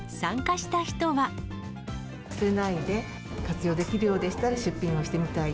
捨てないで活用できるようでしたら、出品はしてみたい。